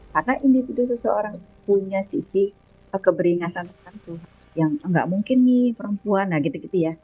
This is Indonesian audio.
karena individu seseorang punya sisi keberingasan kan tuh yang nggak mungkin nih perempuan nah gitu gitu ya